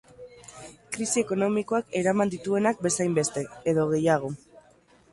Krisi ekonomikoak eraman dituenak bezainbeste, edo gehiago.